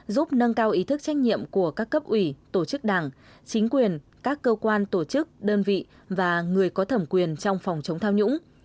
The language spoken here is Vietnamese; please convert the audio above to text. giúp nâng cao ý thức trách nhiệm của các cấp ủy tổ chức đảng chính quyền các cơ quan tổ chức đơn vị và người có thẩm quyền trong phòng chống tham nhũng